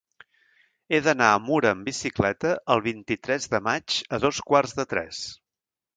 He d'anar a Mura amb bicicleta el vint-i-tres de maig a dos quarts de tres.